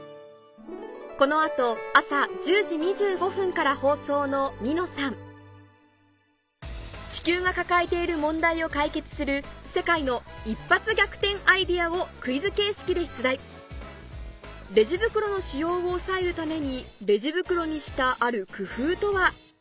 この後朝１０時２５分から放送の地球が抱えている問題を解決する世界の一発逆転アイデアをクイズ形式で出題レジ袋の使用を抑えるためにレジ袋にしたある工夫とは？